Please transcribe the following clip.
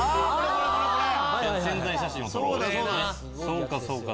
そうかそうか。